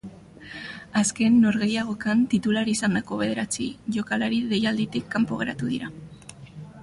Azken norgehiagokan titular izandako bederatzi jokalari deialditik kanpo geratu dira.